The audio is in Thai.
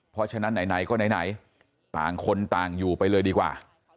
เพราะฉะนั้นไหนก็ไหนต่างคนต่างอยู่ไปเลยดีกว่า